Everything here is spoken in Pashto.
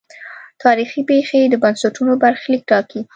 تاریخي پېښې د بنسټونو برخلیک ټاکي.